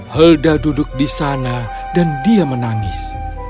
helda duduk di sana dan dia menangis